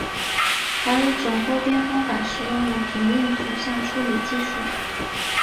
还有一种勾边方法使用了平面图像处理技术。